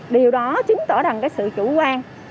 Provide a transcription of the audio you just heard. điều đó chứng tỏ rằng cái sự chủ quan